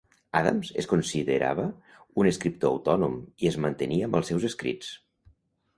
Adams es considerava un escriptor autònom i es mantenia amb els seus escrits.